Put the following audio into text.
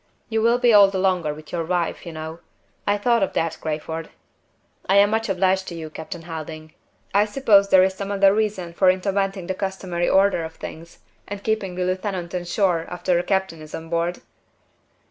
You will be all the longer with your wife, you know. I thought of that, Crayford." "I am much obliged to you, Captain Helding. I suppose there is some other reason for inverting the customary order of things, and keeping the lieutenant on shore after the captain is on board?"